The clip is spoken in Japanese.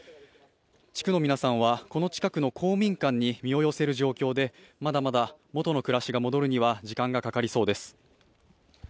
地区の皆さんはこの近くの公民館に身を寄せる状況でまだまだ元の暮らしが戻るには時間がかかりそうです。